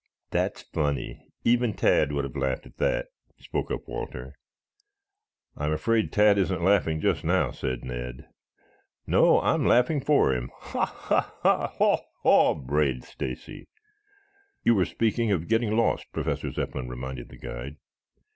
"That's funny. Even Tad would have laughed at that," spoke up Walter. "I am afraid Tad isn't laughing just now," said Ned. "No, I'm laughing for him. Ha, ha, ha! Haw, haw!" brayed Stacy. "You were speaking of getting lost," Professor Zepplin reminded the guide.